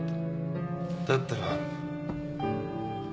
だったら。